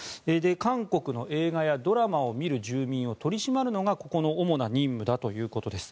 韓国の映画やドラマを見る住民を取り締まるのがここの主な任務だということです。